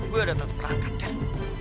gue udah terserangkan ter